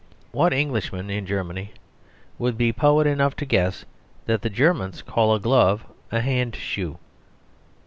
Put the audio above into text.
What Englishman in Germany would be poet enough to guess that the Germans call a glove a "hand shoe."